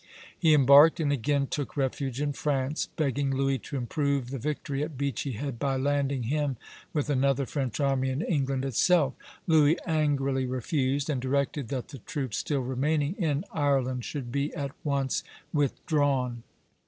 He embarked, and again took refuge in France, begging Louis to improve the victory at Beachy Head by landing him with another French army in England itself. Louis angrily refused, and directed that the troops still remaining in Ireland should be at once withdrawn.